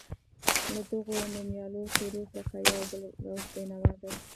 له دغو نومیالیو څېرو څخه یو عبدالرؤف بېنوا دی.